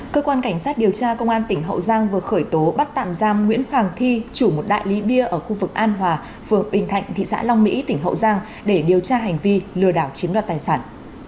cơ quan cảnh sát điều tra công an tỉnh hậu giang vừa khởi tố bắt tạm giam nguyễn hoàng thi chủ một đại lý bia ở khu vực an hòa phường bình thạnh thị xã long mỹ tỉnh hậu giang để điều tra hành vi lừa đảo chiếm đoạt tài sản